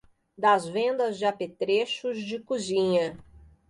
das vendas de apetrechos de cozinha